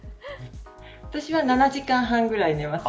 私は７時間半ぐらい寝ます。